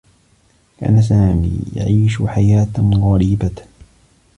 كان سامي يعيش حياة غريبة.